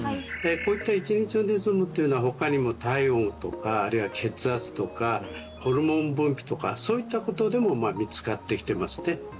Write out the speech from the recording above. こういった１日のリズムというのは他にも体温とかあるいは血圧とかホルモン分泌とかそういったことでもまあ見つかってきてます